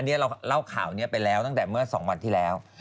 เราเล่าข่าวนี้ไปแล้วตั้งแต่เมื่อ๒วันที่แล้ว